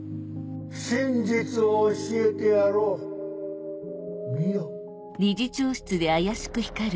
真実を教えてやろう見よ！